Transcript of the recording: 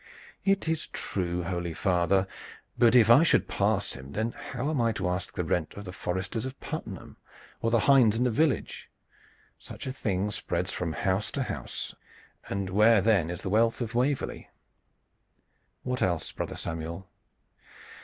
"It is true, holy father; but if I should pass him, then how am I to ask the rent of the foresters of Puttenham, or the hinds in the village? Such a thing spreads from house to house, and where then is the wealth of Waverley?" "What else, Brother Samuel?"